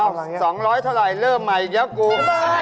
อ้าว๒๐๐เท่าไรเริ่มใหม่เดี๋ยวกู